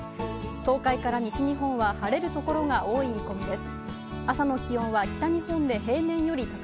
東海から西日本は晴れる所が多い見込みです。